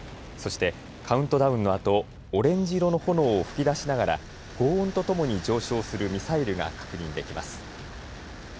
そして、カウントダウンのあとオレンジ色の炎を噴き出しながらごう音とともに上昇するミサイルが確認できます。